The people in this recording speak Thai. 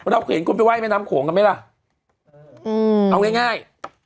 เราเห็นคนไปไหว้แม่น้ำโขงกันไหมล่ะอืมเอาง่ายง่าย